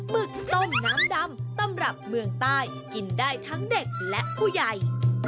หึกต้มน้ำดำตำรับเมืองใต้กินได้ทั้งเด็กและผู้ใหญ่